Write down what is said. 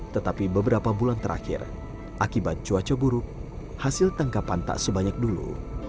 tetapi beberapa bulan terakhir akibat cuaca buruk hasil tangkapan tak sebanyak dulu